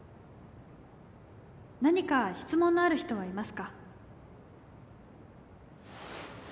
何か質問のある人はいますか？